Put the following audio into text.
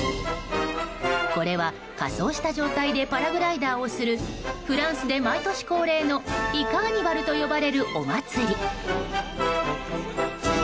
これは仮装した状態でパラグライダーをするフランスで毎年恒例のイカーニバルと呼ばれるお祭り。